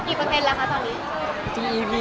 กี่เปอร์เทนต์แล้วคะตอนนี้